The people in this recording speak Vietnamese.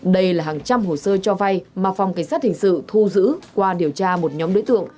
đây là hàng trăm hồ sơ cho vay mà phòng cảnh sát hình sự thu giữ qua điều tra một nhóm đối tượng